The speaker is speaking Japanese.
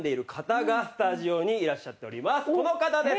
この方です。